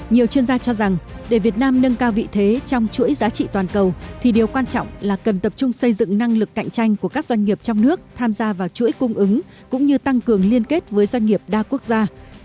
nhiều chuyên gia cho rằng để việt nam nâng cao vị thế trong chuỗi giá trị toàn cầu thì điều quan trọng là cần tập trung xây dựng năng lực cạnh tranh của các doanh nghiệp trong nước tham gia vào chuỗi cung ứng cũng như tăng cường liên kết với doanh nghiệp đa quốc gia